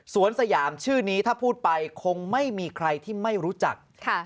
สยามชื่อนี้ถ้าพูดไปคงไม่มีใครที่ไม่รู้จัก